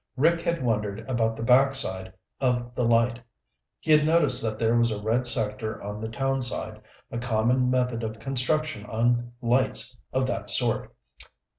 Rick had wondered about the backside of the light. He had noticed that there was a red sector on the townside, a common method of construction on lights of that sort.